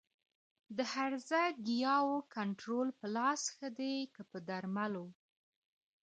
د هرزه ګیاوو کنټرول په لاس ښه دی که په درملو؟